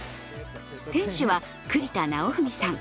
店主は栗田尚史さん。